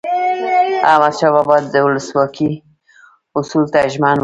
احمدشاه بابا به د ولسواکۍ اصولو ته ژمن و.